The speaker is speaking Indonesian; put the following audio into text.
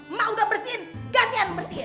emak udah bersihin gantian bersihin